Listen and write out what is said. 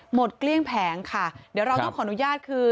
เกลี้ยงแผงค่ะเดี๋ยวเราต้องขออนุญาตคือ